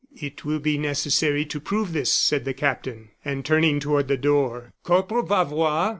"It will be necessary to prove this," said the captain. And turning toward the door: "Corporal Bavois!"